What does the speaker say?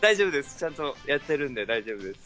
ちゃんとやってるんで大丈夫です。